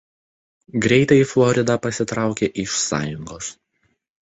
Greitai Florida pasitraukė iš Sąjungos.